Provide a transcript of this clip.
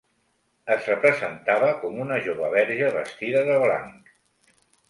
Es representava com una jove verge vestida de blanc.